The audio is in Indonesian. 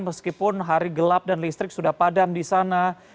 meskipun hari gelap dan listrik sudah padam di sana